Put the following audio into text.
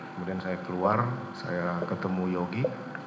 kemudian saya keluar saya ketemu yogi